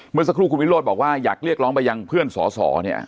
เมื่อสักครู่คุณวิโรธบอกว่าอยากเรียกร้องไปยังเพื่อนสอสอเนี่ย